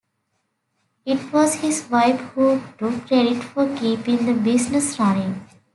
It was his wife who took credit for keeping the business running.